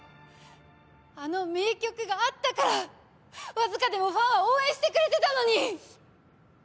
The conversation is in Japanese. あの名曲があったからわずかでもファンは応援してくれてたのに！